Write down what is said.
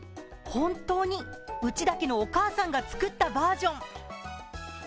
本当に内田家のお母さんが作ったバージョン。